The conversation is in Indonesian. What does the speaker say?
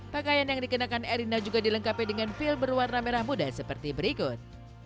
pakaian yang dikenakan erina juga dilengkapi dengan feel berwarna merah muda seperti berikut